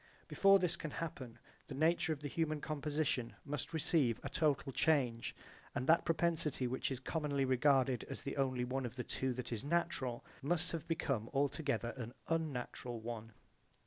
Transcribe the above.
Before this can happen the nature of the human composition must receive a total change and that propensity which is commonly regarded as the only one of the two that is natural must have become altogether an unnatural one.